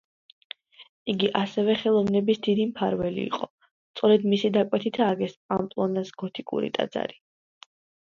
იგი ასევე ხელოვნების დიდი მფარველი იყო, სწორედ მისი დაკვეთით ააგეს პამპლონას გოთიკური ტაძარი.